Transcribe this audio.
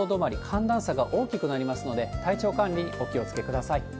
寒暖差が大きくなりますので、体調管理にお気をつけください。